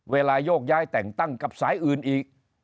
โยกย้ายแต่งตั้งกับสายอื่นอีก